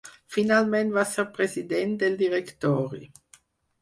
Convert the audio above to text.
Finalment va ser president del Directori.